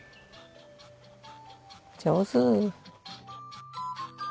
上手。